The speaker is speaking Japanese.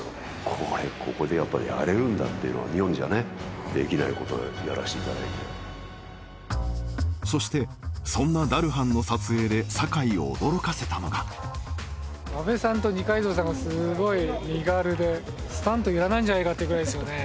これここでやっぱやれるんだっていうのが日本じゃねできないことやらせていただいてそしてそんなダルハンの撮影で堺を驚かせたのが阿部さんと二階堂さんがすごい身軽でスタントいらないんじゃないかってぐらいですよね